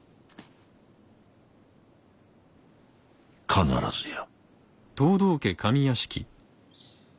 必ずや。